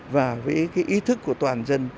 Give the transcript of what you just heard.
và với cái ý thức của toàn dân